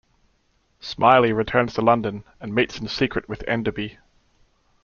Smiley returns to London and meets in secret with Enderby.